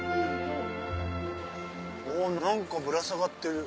何かぶら下がってる。